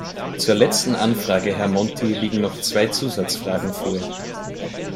Zur letzten Anfrage, Herr Monti, liegen noch zwei Zusatzfragen vor.